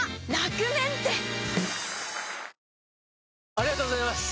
ありがとうございます！